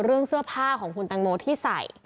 เรื่องเสื้อผ้าของคุณตังโมที่ใส่